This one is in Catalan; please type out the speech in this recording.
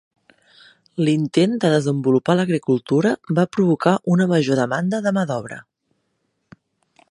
L'intent de desenvolupar l'agricultura va provocar una major demanda de mà d'obra.